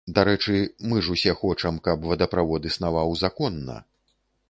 Дарэчы, мы ж усе хочам, каб водаправод існаваў законна.